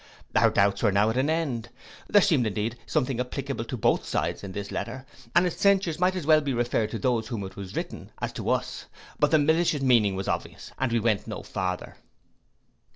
Our doubts were now at an end. There seemed indeed something applicable to both sides in this letter, and its censures might as well be referred to those to whom it was written, as to us; but the malicious meaning was obvious, and we went no farther.